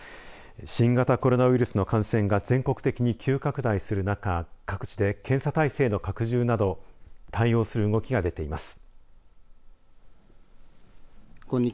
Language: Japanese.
新型コロナウイルスの感染が全国的に急拡大する中、各地で検査体制の拡充など対応する動きが出ています。